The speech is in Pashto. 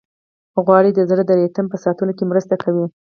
غوړې د زړه د ریتم په ساتلو کې مرسته کوي.